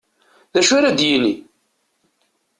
D acu ara d-yini!